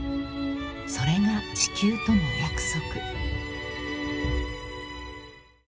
［それが地球との約束］